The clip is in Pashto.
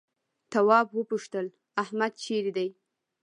تواب وپوښتل احمد چيرې دی؟